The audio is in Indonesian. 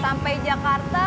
saya raphaasin jalan dulu